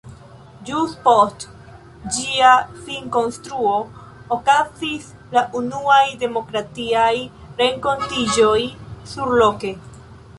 Ĵus post ĝia finkonstruo okazis la unuaj demokratiaj renkontiĝoj surloke!